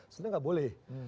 sebenarnya gak boleh